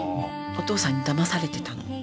お父さんにだまされてたの。